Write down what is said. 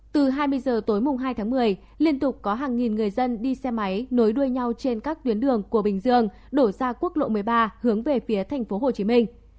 từ hai mươi h tối mùng hai tháng một mươi liên tục có hàng nghìn người dân đi xe máy nối đuôi nhau trên các tuyến đường của bình dương đổ ra quốc lộ một mươi ba hướng về phía thành phố hồ chí minh